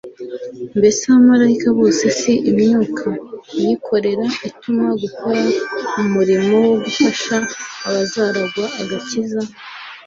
"Mbese abamaraika bose si imyuka iyikorera itumwa gukora umurimo wo gufasha abazaragwa agakiza?